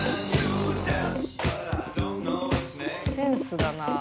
センスだなあ。